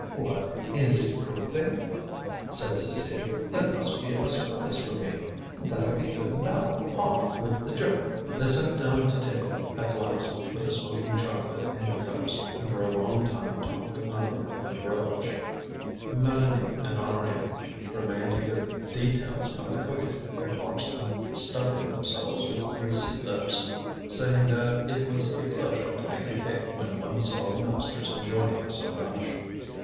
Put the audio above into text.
"What! Is it cooked, then?" said Cécile; "that must be a surprise for me! That'll be good now, hot, with the chocolate!" They sat down to table at last with the smoking chocolate in their cups, and for a long time talked of nothing but the brioche. Mélanie and Honorine remained to give details about the cooking and watched them stuffing themselves with greasy lips, saying that it was a pleasure to make a cake when one saw the masters enjoying it so much.